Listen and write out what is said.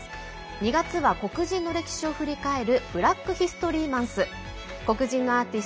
２月は、黒人の歴史を振り返るブラックヒストリーマンス。